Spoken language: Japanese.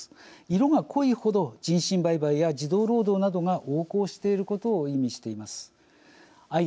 色が濃いほど人身売買や児童労働などが横行していることを意味しています。